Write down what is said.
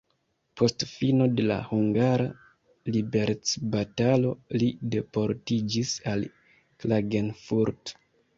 Post fino de la hungara liberecbatalo li deportiĝis al Klagenfurt.